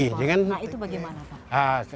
nah itu bagaimana pak